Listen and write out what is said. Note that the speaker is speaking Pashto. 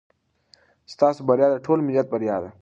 ستاسو بریا د ټول ملت بریا ده.